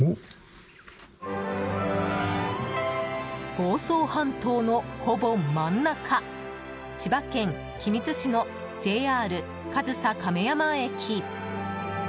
房総半島のほぼ真ん中千葉県君津市のＪＲ上総亀山駅。